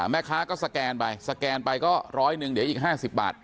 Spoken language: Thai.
แม่ค้าก็สแกนไปสแกนไปก็ร้อยหนึ่งเดี๋ยวอีก๕๐บาท